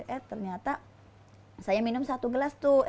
eh ternyata saya minum satu gelas tuh